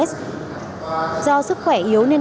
do sức khỏe yếu nên đã có đơn vị địa phương